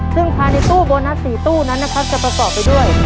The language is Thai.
ซึ่งภายในตู้โบนัส๔ตู้นั้นนะครับจะประกอบไปด้วย